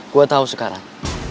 gue tau sekarang